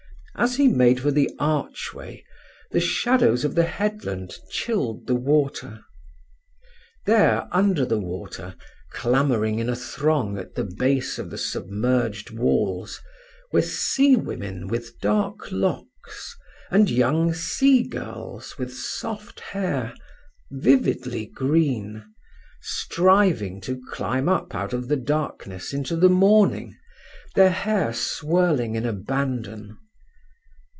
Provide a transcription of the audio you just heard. As he made for the archway, the shadows of the headland chilled the water. There under water, clamouring in a throng at the base of the submerged walls, were sea women with dark locks, and young sea girls, with soft hair, vividly green, striving to climb up out of the darkness into the morning, their hair swirling in abandon.